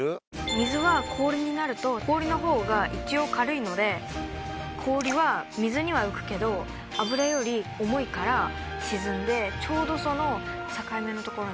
水は氷になると氷のほうが一応軽いので氷は水には浮くけど油より重いから沈んでちょうどその境目の所に。